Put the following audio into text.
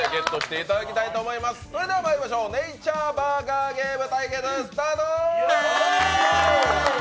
それではまいりましょう「ネイチャーバーガーゲーム」対決スタート！